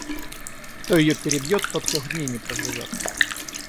Кто ее перебьет, тот трех дней не проживет.